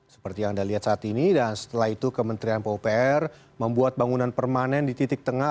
seperti yang anda lihat saat ini dan setelah itu kementerian pupr membuat bangunan permanen di titik tengah